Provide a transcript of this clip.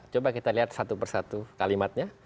coba kita lihat satu persatu kalimatnya